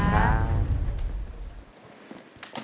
โอ้ด้วยช่วยช่วย